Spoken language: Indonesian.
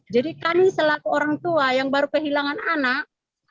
jadi kami selaku orang tua yang baru kehilangan anak